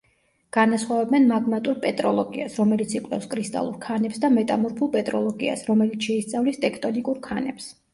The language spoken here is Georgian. განასხვავებენ: მაგმატურ პეტროლოგიას, რომელიც იკვლევს კრისტალურ ქანებს და მეტამორფულ პეტროლოგიას, რომელიც შეისწავლის ტექტონიკურ ქანებს.